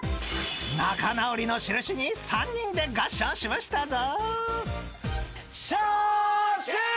［仲直りの印に３人で合唱しましたぞ］